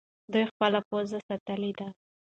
دوی خپل پوځ ساتلی دی.